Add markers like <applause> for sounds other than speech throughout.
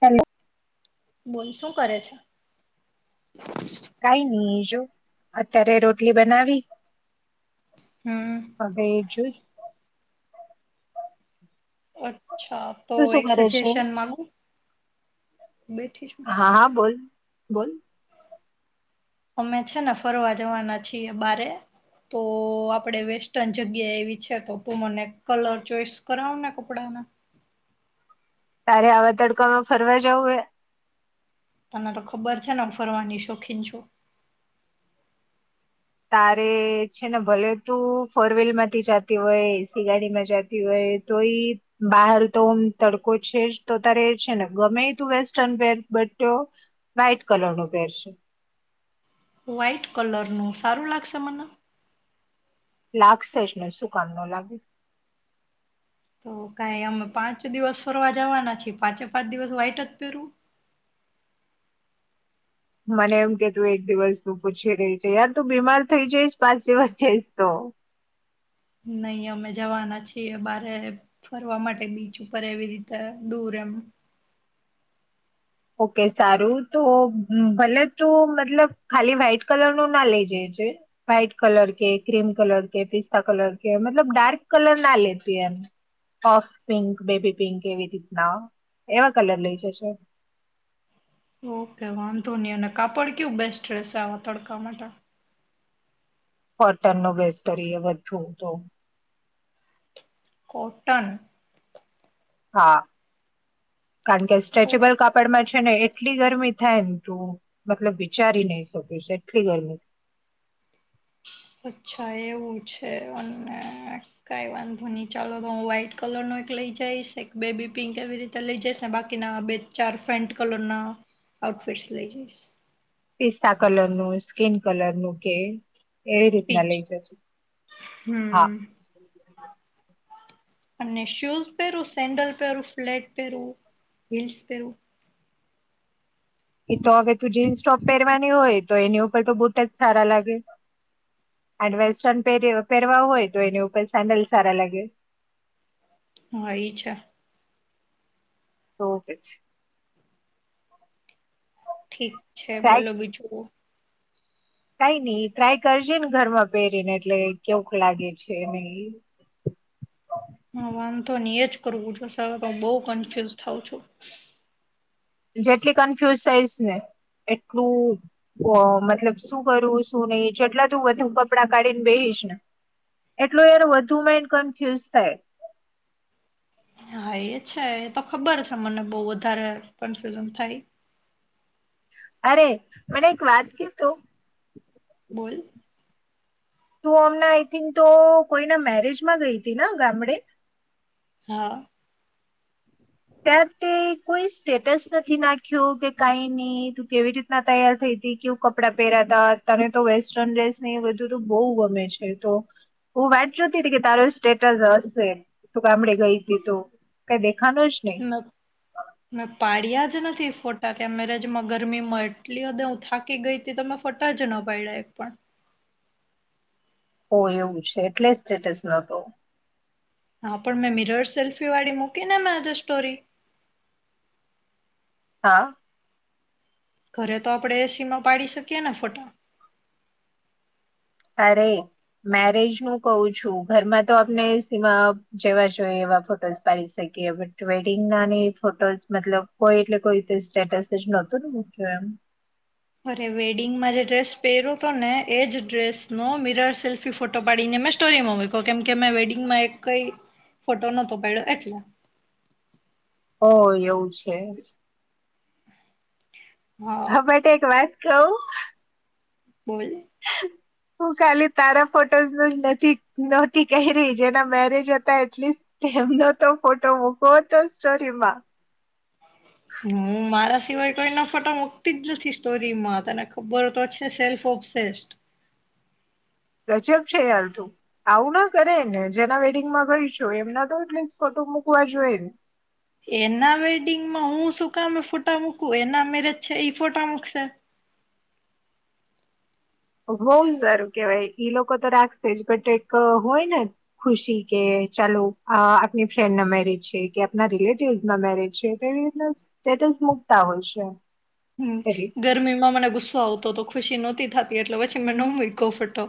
Hello બોલ શું કરે છે કઈ નઈ જો અત્યારે રોટલી બનાવી હમ હવે એ જોઈ <unintelligible> અ્છા તો તું શું એક કરે છે? સજેશન મામાંગુ બેઠીશું હા હા બોલ બોલ અમે છે ને ફરવા જવાના છીએ બારે તો આપણેે વેસ્ટર્ન જગ્યા એવી છે તો મને કલર ચોઈસ કરાવ ને કપડાના તારે આવા તડકામાં ફરવા જવું એ તને તો ખબર છે ને ફરવાની શોખીન છો તારે છે ને ભલે તું ફોર વ્હીલર માંથી જતી હોય એસી ગાડીમાં જતી હોય તો એ બહાર તોમ તડકો છે જ તો તારે છે ને ગમે એ તું વેસ્ટર્ન પેર બટ વ્હાઈટ કલરનું પેર છે વ્હાઈટ કલર નું સારું લાગશે મને લાખસેસને શું કામ ન લાગે તો કઈ અમે પાંચ દિવસ ફરવા જવાના છીએ પાંચે પાંચ દિવસ વાહાઈટ જ પેરું મને એમ કે તું એક દિવસ તું પૂછી રહી છે યાર તું બીમાર થઈ જઈશ પાંચ દિવસ જઈશ તો નહી અમે જવાના છીએ બારે ફરવા માટે બીચ ઉપર એવી રીતે દૂર એમ ઓકે સારું તો ભલે તો મતલબ ખાલી વ્હાઈટ કલર નું ના લઇ જે છે વ્હાઈટ કલર કે ક્રીમ કલર કે પિસ્તા કલર કે મતલબ ડાર્ક કલર ના લેત એમ ઓફ પિંક બેબી પિંક એવી રીતના એવા કલર લઈ જશે ઓકે વાંધો નહી અને કાપડ કયુ બેસ્ટ રહેશે આવા તડકા માટે કોટનનું <unintelligible> બધું તો કોટન હા કારણ કે ઓ, સ્ટ્રેચેબલ કાપડમાં છે ને એટલી ગરમી થાય ને તું મતલબ વિચારી નહી શકીશ એટલી ગરમી અચ્છા એવું છે અને કઈ વાંધો ચાલો તો હું વ્હાઈટ કલર નો એક લઈ જઈશ એક બેબી પિંક એવી રીતે લઈ જઈશ ને બાકીના બે ચાર ફેન્ટ કલર ના આઉટફિટ લઈ જઈશ પિસ્તા કલર નું સ્કીિન કલર ન કે એવી રીતના પીચ લઈ જજું હા હમ અને શૂઝ પહેરું સેન્ડલ પહેરું ફ્લેટ પહેરવું હીલ્સ પહેરવું એ તો હવે તું જીન્સ ટોપ પહેરવાની હોય તો એની ઉપર તો બુટ જ સારા લાગે અનેડ વેસ્ટર્ન પ પહેરવા હોય તો એની ઉપર સેન્ડલ સારા લાગે હા એ છે તો પછી ઠીક છે બોલો બીજું કઈ નઈ ટ્રાય કરજે ને ઘરમાં પહેરીને એટલે કેવક લાગે છે નહી હ વાંધો નહી એ જ કરુર તો બહુ કન્ફ્યુઝ થઉં છું જેટલી કન્ફ્યુઝ થઈશ ને એટલું મતલબ શું કરું શું નહીિ જેટલા તું વધુ કપડાં કાઢીને બેહીશ ને એટલું યાર વધુમાં એને કન્ફ્યુઝ થાય હા એ છે એ તો ખબર છે મને બહુ વધારે કન્ફ્યુઝન થાય અરે મને એક વાત કે તો બોલ તું હમણાં આઈ થિંકિં તો કોઈના મેરેજમાં ગઈતી ને ગામડે હા ત્યાં તે કોઈ સ્ટેટસ નથી નાખ્યું કે કઈ નહી તું કેવી રીતના તૈયાર થઈ ત કેવું કપડાં પહેરાતા તને તો વેસ્ટર્ન ડ્રેસ નહી એ બધું બહ ગમે છે તો હું વાટ જોતી હતી કે તારો સ્ટેટસ હશે તું ગામડે ગઈ હતી તો કઈ દેખાનો ન મે પાડિયા એકે નથી ફોટા ત અ મેરજમાં ગરમીમાં એટલી હદે હું થાકી ગઈ હતી તો મે ફોટાજ ન પાઇડા એક પણ ઓ એવું છે એટલે સ્ટેટસ નહોતો. હા પણ મેં મિરર સેલ્ફી વાળી મૂકીને ને આજે સ્ટોરી હા ઘરે તો આપણેે એ સી માં પાડી શકીએ ને ફોટા. અરે, મેરેજ નું કહું છું ઘરમાં તો આપણે એ સીમાં જેવા જોઈ એવા ફોટોઝ પાડી શકીએ બટ વેડિંગ નાને એ ફોટોસ મતલબ કોઈ એટલે કોઈ રીતે સ્ટેટસ જ નહોતું ને મૂક્યું એમ. અરે વેડિંગમાં જે ડ્રેસ પહેર્યો હતો ને એજ ડ્રેસનો મિરર સેલ્ફી ફોટો પાડીને મેં સ્ટોરીમાં મૂક્યો કેમ કે મેં વેડિંગમાં એક કઈ ફોટો નતો પડ્યો એટલે ઓહ એવું છે હા બટ એક વાત કહું બોલ હું ખાલી તારા ફોટોઝ નેજ નહોતી કહી રહી જેના મેરેજ હતા એટલીસ્ટ તેમનો તો ફોટો મૂકવો હતો સ્ટોરીમાં હું હું મારા સિવાય કોઈ ના ફોટા મુકતી જ નથી સ્ટોરીમાં તને ખબર તો છે સેલ્ફ ઓબસેસ્ડ ગજબ છે યાર તું, આવું ના કરાય ને જેના વેડિંગમાં ગય છું એમના તો એટલીસ્ટ ફોટો મૂકવા જોઈ ને. એના વેડિંગમાં હું શું કામ ફોટા મૂકું એના મેરેજ છે એઈ ફોટા મુકશે બૌઅ સારું કેવાય ઈ લોકો તો રાખશે જ બટ એક હોય ને ખુશી કે ચાલો આ આપણી ફ્રેન્ડ ના મેરેજ છે કે આપના રિલેટિવસ ના મેરેજ છે તો એ રીતના સ્ટેટસ મૂકતા હોય છે. હમ એટલે ગરમીમાં મને ગુસ્સો આવતો હતો ખુશી નત તે થતી એટલે પછી મેં ન મૂક્યો ફોટો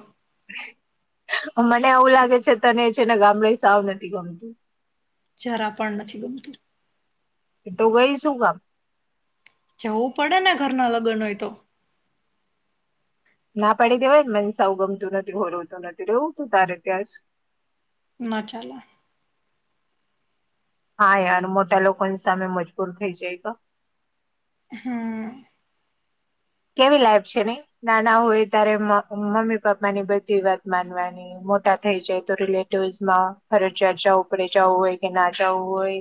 <inaudible> મને એવું લાગે છે તને છે ને ગામડે સાવ નથી ગમતું જરા પણ નથી ગમતું તો ગઈ શું કામ? જવું પડેને ઘરના લગ્ન હોય તો. ના પાડી દેવાય ને મને સાવ ગમતું નથી <unintelligible> નથી રવું તું તારે ત્યાં જ ના ચાલે હા યાર મોટા લોકોની સામે મજબૂર થઈ જાય તો હમ્મ. કેવી લાઈફ છે ને નાના હોય ત્યારે મા મમ્મી પપ્પા ની બધી વાત માનવાની મોટા થઈ જાય તો રિલેટિવસમાં ફરજિયાત જવું પડે જવું હોય કે ના જવું હોય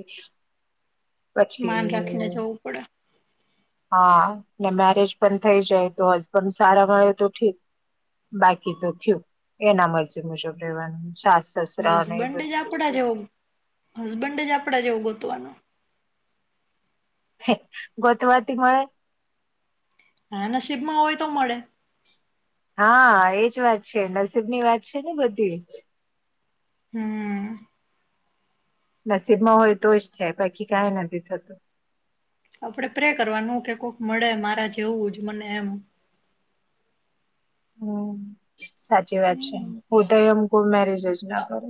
માન રાખીને જવું પડે પછી હા ને મેરેજ પણ થઇ જાય તો હસબન્ડ સારા મળે તો ઠીક, બાકી તો થયું એના મરજી મુજબ રહેેવાનું. હસબન્ડ જ આપડા જેવ હસબન્ડ જ આપ આપડા જેવો ગોતવાનો હે ગોતવા થી મળે હા નસીબમાં હોય તો મળે હા એજ વાત છે નસીબની વાત છે ને બધી હમ નસીબમાં હોય તો જ થાય બાકી કઇ નથી થતું આપણેે પ્રે કરવાનું કે કોક મળે મારા જેવું જ મને એમ હમ સાચી વાત. કોઈ મેરેજ જ ના કરુ.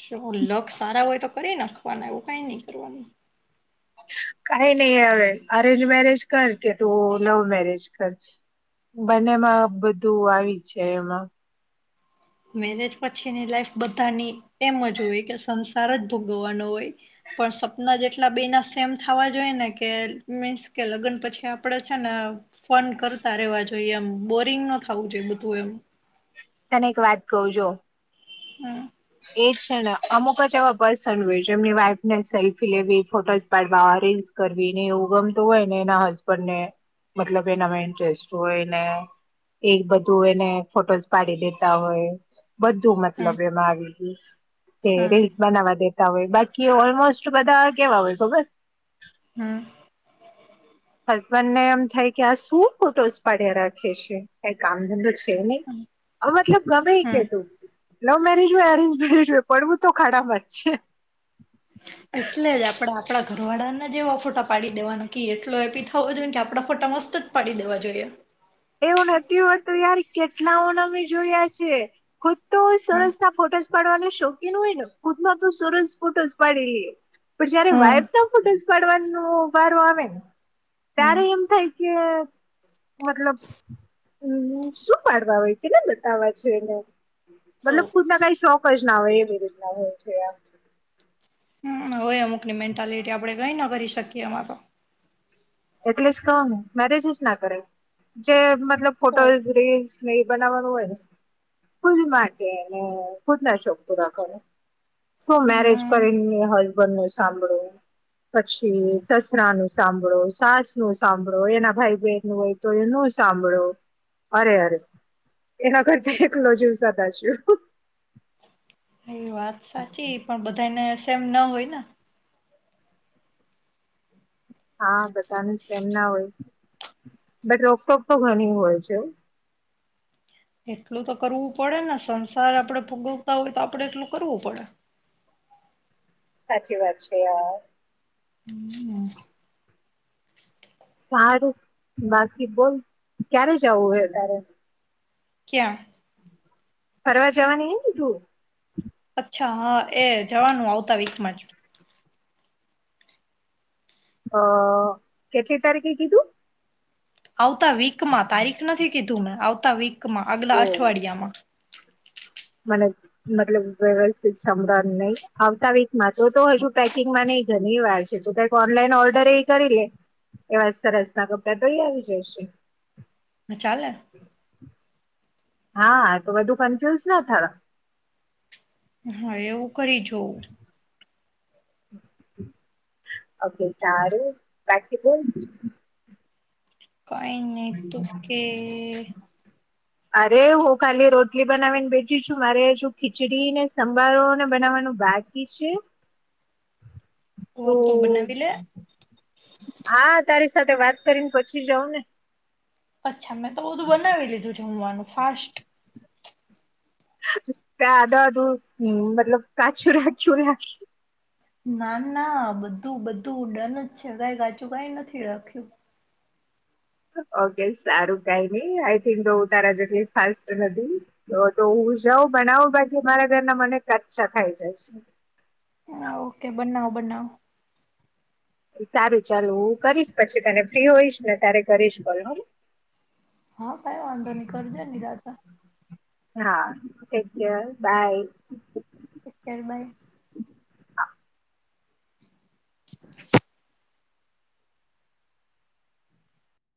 જો લક સારા હોય તો કરી નાખવાના એવું કઈ નહી કરવાનું. કઈ નઈ હવે અરેન્જ મેરેજ કર કે તું લવ મેરેજ કર બંનેમાં બધું આવીજ જાય એમાં. મેરેજ પછીની લાઈફ બધાની એમ જ હોય કે સંસાર જ ભોગવવાનો હોય, પણ સપના જેટલા બે ના સેમ થવા જોઈએ, ને કે મીન્સ કે, લગ્ન પછી આપણેે છે ને ફન કરતા રહેેવા જોઈએ, એમ. બોરિંગ ન થવું જોઈએ બધું, એમ. તને એક વાત કહું જો. હમ્મ. એ છે ને અમુક જ એવા પર્સન હોય એમની વાઈફને સેલ્ફી લેવી ફોટો પાડવા રીલ્સ કરવીને, એવું ગમતું હોયને એના હસબન્ડને મતલબ એના ઇન્ટરેસ્ટ હોયને એ બધું એને ફોટો પાડી દેતા હોય. બધું હમ મતલબ એમાં આવી ગયું, કે હમ રીલ્સ બનાવા દે. તા હોય બાકી ઓલમોસ્ટ બધા કેવા હોય ખબર હમ હસબન્ડ ને એમ થાય કે આ શું ફોટોસ પડ્યા રાખે છે, કઇ કામ ધંધો તેને અ મતલબ ગમે ઈ હમ કેતું. લવ મેરેજ હોય અરેન્જ મેરેજ હોય પડવું તો ખાડા માજ છે. એટલે જ આપડા આપડા ઘરવાળાને જે એવા ફોટા પાડી દેવા કી એટલો એપી થવો જોઈએ કે આપડા ફોટા મસ્ત જ પાડી દેવા જોઈએ. એવું નથી હોતું યાર કેટલાઓને અમે જોયા છે. ખુદ તો હમ સરસ ના ફોટોસ પાડવાનું શોખીન હોય ને ખુદ નો તો સરસ ફોટોસ પાડી લઈએ. પણ જયારે હમ વાઈફ ના ફોટોસ <unintelligible> વાનો વારો આવેને! ત્યારે હમ એમ થાય કે મતલબ હમ્મ શું પાડવા હોય? કેટલા બતાવા છે એને? તો મતલબ ખુદના કઈ શોખ હોઈ ના હોય એવી રીતના હોય છે આ. હમ્મ હોય અમુક ની મેન્ટાલિટી આપડે કઈ ના કરી શકીએ એમાં તો. એટલે જ કઉ મેરેજ જ ના કરાય, જે મત મતલબ ફોટોઝ રીલ્સ. એ બનાવવાનું હોય, ખુદ માટે ને ખુદ શોખ પૂરા કરો. શું મેરેજ હમ કરી ને હલ વર નું સાંભળો પછી સસરા નું સાંભળો. સાસ નું સાંભળો, એના ભાઈ બહેન નું હોય તો એનું સાંભળો, અરે, અરે, એના કરતા એકલો જીવ સદાશિવ! વાત સાચી પણ બધા ને એમ ના હોય ને! હા બધાનું સેમ ના હોય, બટ રોકટોક તો ઘણી હોય છે. એટલું તો કરવું પડે ને સંસાર આપડે ભોગવતા હોય તો આપણે એટલું કરવું પડે. સાચી વાત છે અહ. <inaudible> સારું બાકી બોલ ક્યારે જવું હોય તારે. ક્યાં? ફરવા જવાનું એ લીધું અચ્છા હા એ જવાનું <unintelligible> અ કેટલી તારીખે કીધું આવતા વીક માં તારીખ નથી કી ધું આવતા વીક કમાં અગલા ઓહ અઠવાડિયામાં <inaudible> મતલબ વ્યવસ્થિત સાભળ નહી આવતા વીકમાં તો હજુ પેકિંગમાં નહી ઘણી વાર છે તો કક ઓનલાઈન ઓર્ડર એ કરી લે એવા સરસ ના કપડા તો એ આવી જશે. હ ચાલને હા તો બધું કન્ફ્યુઝ ના થયો હા એવું કરીજો ઓકે સારું પ્ર્ટબલ કઈ નહી તું કે અરે હું ખાલી રોટલી બનાવીને બેઠું છું મારે હજુ ખીચડી ને સંભારો ને બનાવવાનું બાકી છે ઓહ તો બનાવીલે હા તારી સાથે વાત કરીને પછી જાઉ ને અચ્છ મેં તો બધું બનાવી લીધું છ. જમવાનું ફાસ્ટ ક આધા અધું મતલબ કછું રાખ્યું રાખ ના ના બધું બધું ડન જ છે કઈ કાચું કઈ નથી રાખ્યું ઓકે સારું કઈ નઈ આઈ થિંક તો હું તારા જેટલી ફાસ્ટ નથી તો હું જાઉં બનાવું બાકી મારાના મને કચ્છા ખાઈ જાય છે હા ઓકે બનાઓ બનાઓ સારું ચાલુ હું કરીશ પછી તને ફ્રી હોઈશ ને તારે કરીશ કોલ હ હા કાઈ વાંધો નહી કરજે નીરાતે. હા ડેકેર બાય અત્યારબાઈ હા